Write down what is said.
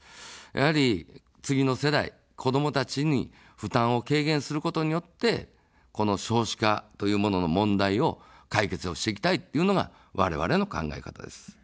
やはり、次の世代、子どもたちに負担を軽減することによって、この少子化というものの問題を解決をしていきたいというのがわれわれの考え方です。